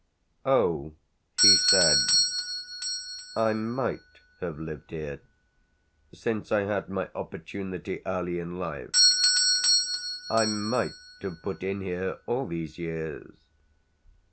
"Oh," he said, "I might have lived here (since I had my opportunity early in life); I might have put in here all these years.